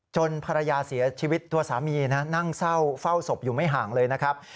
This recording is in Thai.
ภรรยาเสียชีวิตตัวสามีนะนั่งเฝ้าศพอยู่ไม่ห่างเลยนะครับ